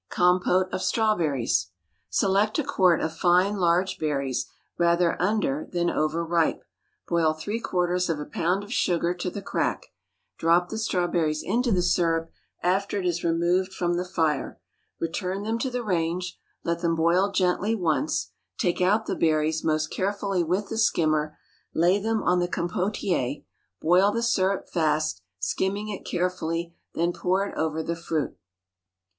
Compote of Strawberries. Select a quart of fine large berries, rather under than over ripe; boil three quarters of a pound of sugar to the crack; drop the strawberries into the syrup after it is removed from the fire; return them to the range; let them boil gently once; take out the berries most carefully with the skimmer; lay them on the compotier; boil the syrup fast, skimming it carefully then pour it over the fruit.